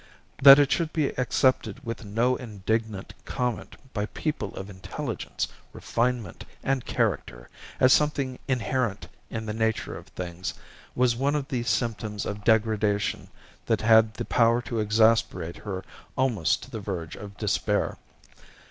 That it should be accepted with no indignant comment by people of intelligence, refinement, and character as something inherent in the nature of things was one of the symptoms of degradation that had the power to exasperate her almost to the verge of despair.